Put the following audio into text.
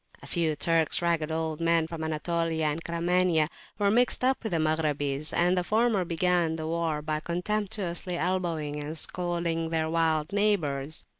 A few Turks, ragged old men from Anatolia and Caramania, were mixed up with the Maghrabis, and the former began the war by contemptuously elbowing and scolding their wild neighbours.